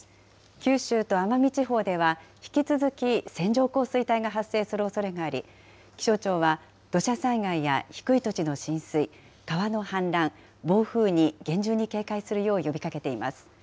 九州と奄美地方では、引き続き線状降水帯が発生するおそれがあり、気象庁は土砂災害や低い土地の浸水、川の氾濫、暴風に厳重に警戒するよう呼びかけています。